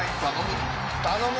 頼む！